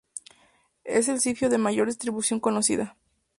Es el zifio de mayor distribución conocida.